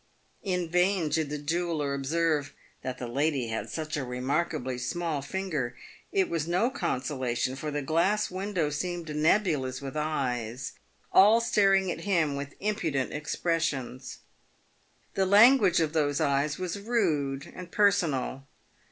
In vain did the jeweller observe " that the lady had such a remarkably small finger ;•• it was no consolation, for the glass window seemed nebulous with eyes, all staring at him with impudent expressions. The language of those eyes was rude and personal.